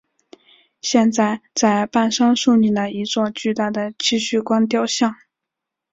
现在在半山竖立了一座巨大的戚继光雕像。